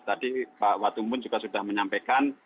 tadi pak watumbun juga sudah menyampaikan